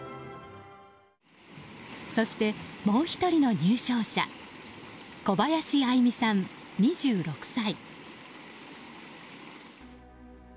そして、もう１人の入賞者小林愛実さん、２６歳。